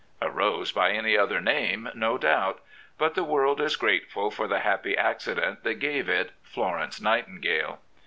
A rose by any other name," no doubt. But the world is grateful for the happy accident that gave it Florence Nightingale.'"